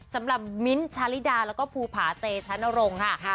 สำหรับมิ้นท์ชาริดาและก็ภูผาเตชะโนรงค่ะ